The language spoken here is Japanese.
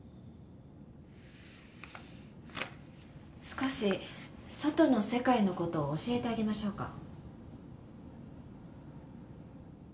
少し外の世界のことを教えてあげましょうか？